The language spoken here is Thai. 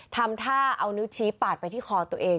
ทำท่าเอานิ้วชี้ปาดไปที่คอตัวเอง